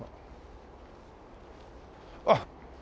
あっ！